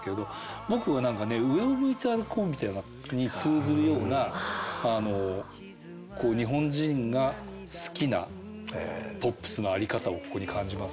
僕は何かね「上を向いて歩こう」に通ずるような日本人が好きなポップスの在り方をここに感じますね。